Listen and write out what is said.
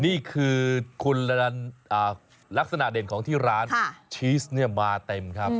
นี่คือลักษณะเด่นของที่ร้านชีสมาเต็มครับ